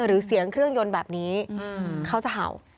หรือเสียงเครื่องยนต์แบบนี้เขาจะเห่า